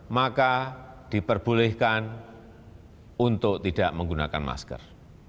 maka diperbolehkan untuk tidak menggunakan masker